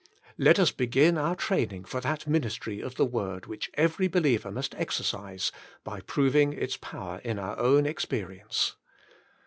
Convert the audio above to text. Let us begin our training for that ministry of the word which every believer must exercise, by proving its power in our own experience.